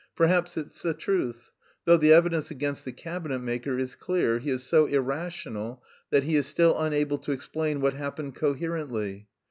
Perhaps it's the truth. Though the evidence against the cabinet maker is clear, he is so irrational that he is still unable to explain what happened coherently.